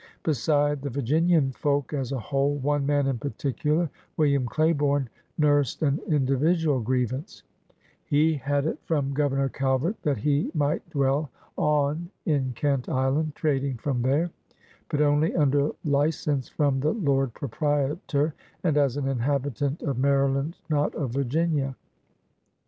" Beside the Virginian folk as a whole, one man, in particu lar, William Qaibome, nursed an individual griev ance* He had it from Governor Calvert that he mi^^t dwell on in Kent Island, trading from there, but only voider license from the Lord Proprietor and as an inhabitant of Maryland, not of Virginia.